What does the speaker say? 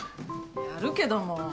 やるけども。